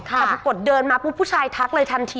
แต่ปรากฏเดินมาปุ๊บผู้ชายทักเลยทันที